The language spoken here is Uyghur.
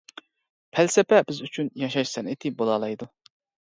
پەلسەپە بىز ئۈچۈن ياشاش سەنئىتى بولالايدۇ.